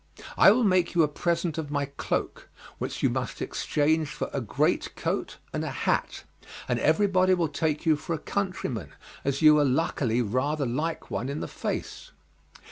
I will make you a present of my cloak, which you must exchange for a great coat and a hat, and everybody will take you for a countryman, as you are luckily rather like one in the face.